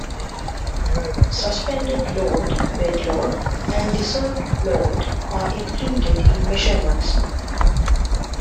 Suspended load, bed load, and dissolved load are included in measurements.